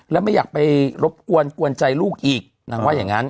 แล้วไม่อยากไปรบกวนกวนใจลูกอีกนางว่าอย่างนั้น